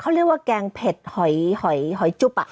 เขาเรียกว่าแกงเผ็ดหอยจุ๊บ